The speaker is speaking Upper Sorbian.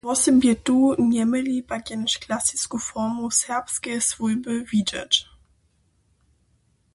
Wosebje tu njeměli pak jenož klasisku formu serbskeje swójby widźeć.